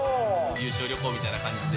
優勝旅行みたいな感じで。